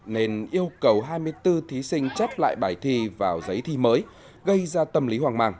nên yêu cầu hai mươi bốn thí sinh chép lại bài thi vào giấy thi mới gây ra tâm lý hoang mang